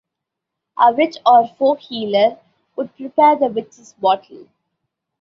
A witch or folk healer would prepare the witch's bottle.